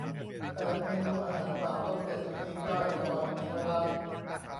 แปด เมนูอาหารป่า รสเด็ดทำเองได้อร่อยเหมือนร้าน